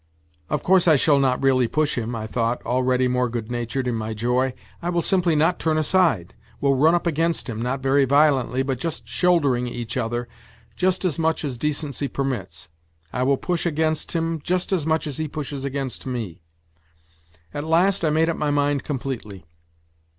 " Of course I shall not really push him," I thought, already more good natured in my joy. " I will simply not turn aside, will run up against him, not very violently, but just shouldering each other just as much as decency permits. I will push against him just as much as he pushes against me." At last I made up my mind completely.